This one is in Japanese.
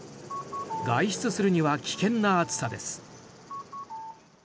外出するには危険な暑さです。